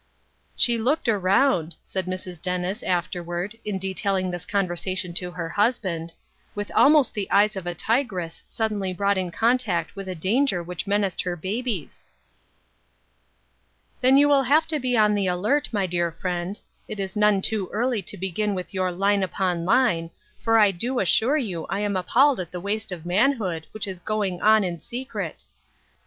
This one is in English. She looked around, " said Mrs. Dennis after ward, in detailing this conversation to her hus band, "with almost the eyes of a tigress suddenly brought in contact with a danger which menaced her babies." "Then you will have to be on the alert, my dear friend ; it is none too early to begin with your 'line upon line, ' for I do assure you I am appalled at the waste of manhood which is going on in secret.